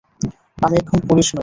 আমি এখন পুলিশ নই।